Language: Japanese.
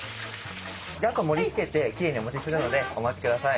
あと盛りつけてきれいにお持ちするのでお待ちください。